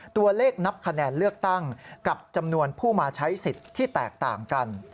ตัวเลขนับคะแนนเลือกตั้งกับจำนวนผู้มาใช้สิทธิ์ที่แตกต่างกัน